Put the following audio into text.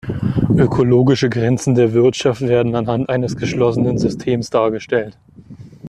Ökologische Grenzen der Wirtschaft werden anhand eines geschlossenen Systems dargestellt.